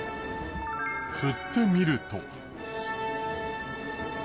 振ってみると。